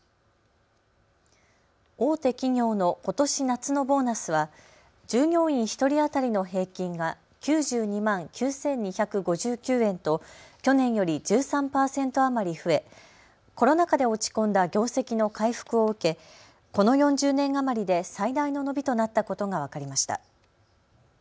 大手企業のことし夏のボーナスは従業員１人当たりの平均が９２万９２５９円と去年より１３％余り増えコロナ禍で落ち込んだ業績の回復を受けこの４０年余りで最大の伸びとなったことが分かりました。